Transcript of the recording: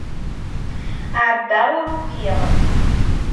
Ɛebbaɣ ur ukiɣ.